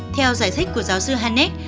theo giải thích của giáo sư hanek